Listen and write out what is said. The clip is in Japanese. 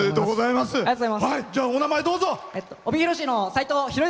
お名前、どうぞ。